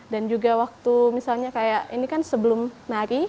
dan juga waktu misalnya kayak ini kan sebelum nari